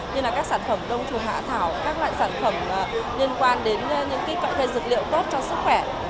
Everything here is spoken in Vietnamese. như là các sản phẩm đông thủ hạ thảo các loại sản phẩm liên quan đến những cơ thể dược liệu tốt cho sức khỏe